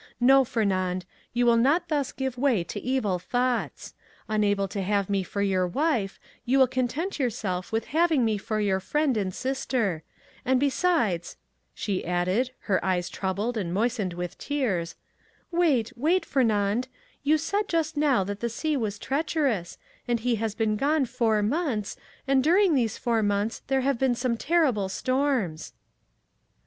No, Fernand, you will not thus give way to evil thoughts. Unable to have me for your wife, you will content yourself with having me for your friend and sister; and besides," she added, her eyes troubled and moistened with tears, "wait, wait, Fernand; you said just now that the sea was treacherous, and he has been gone four months, and during these four months there have been some terrible storms."